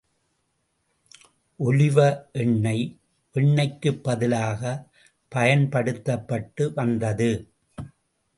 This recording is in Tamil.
ஒலிவ எண்ணெய் வெண்ணெய்க்குப் பதிலாகப் பயன்படுத்தப்பட்டு வந்தது.